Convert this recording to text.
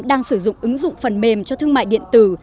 đang sử dụng ứng dụng phần mềm cho thương mại điện tử